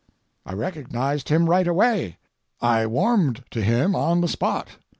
I recognized him right away. I warmed to him on the spot.